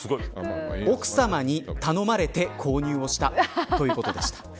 奥さまに頼まれて購入したということでした。